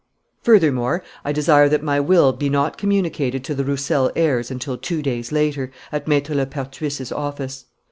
"Furthermore, I desire that my will be not communicated to the Roussel heirs until two days later, at Maître Lepertuis's office.